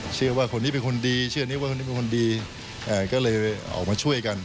เชื่อว่าคนนี้เป็นคนดีเชื่อนี้ว่าคนนี้เป็นคนดีก็เลยออกมาช่วยกัน